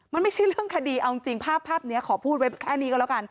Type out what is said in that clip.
มันไม่ใช่เรื่องคดีเอาจริงภาพนี้ขอพูดไว้แค่นี้ก็แล้วกัน